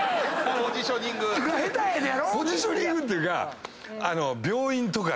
ポジショニングっていうか。